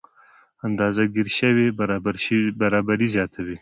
اندازه ګیره شوې برابري زیاتوي.